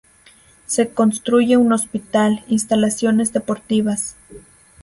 Se construye un hospital, instalaciones deportivas.